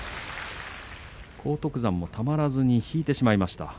荒篤山もたまらず引いてしまいました。